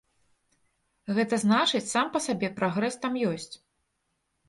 Гэта значыць сам па сабе прагрэс там ёсць.